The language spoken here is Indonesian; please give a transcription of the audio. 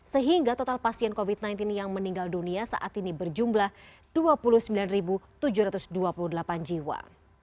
sehingga total pasien covid sembilan belas yang meninggal dunia saat ini berjumlah dua puluh sembilan tujuh ratus dua puluh delapan jiwa